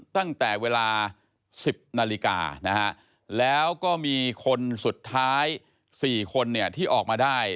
ตั้งแต่เวลา๑๐นาฬิกานะฮะแล้วก็มีคนสุดท้าย๔คนที่ออกมาได้